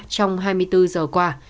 trong hai mươi bốn giờ qua